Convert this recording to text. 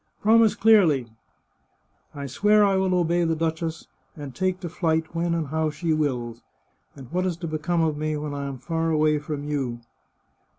" Promise clearly !"" I swear I will obey the duchess, and take to flight when and how she wills. And what is to become of me when I am far away from you